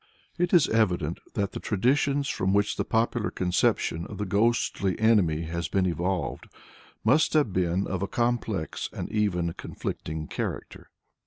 It is evident that the traditions from which the popular conception of the ghostly enemy has been evolved must have been of a complex and even conflicting character.